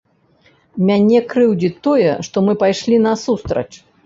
Мяне крыўдзіць тое, што мы пайшлі насустрач.